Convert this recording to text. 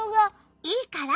いいから！